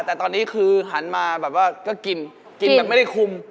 แต่ตอนนี้คือหันมาแบบว่าก็กินกินแบบไม่ได้คุม